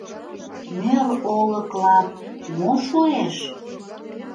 Мӧр олыклап мо шуэш?